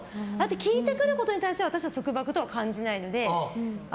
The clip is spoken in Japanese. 聞いてくることに対して私は束縛とは感じないので。